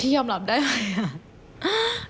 พี่ยอมรับได้ไหมอ่ะ